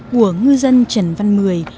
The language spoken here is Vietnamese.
của ngư dân trần văn mười